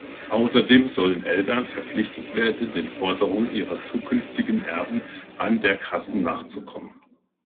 Außerdem sollen Eltern verpflichtet werden, den Forderungen ihrer zukünftigen Erben an der Kasse nachzukommen.